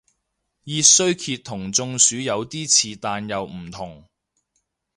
熱衰竭同中暑有啲似但又唔同